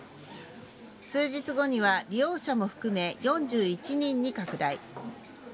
数日後には、利用者も含め４１人に拡大。